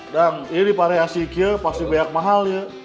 dang ini di pariwasi iqya pasti banyak mahal ya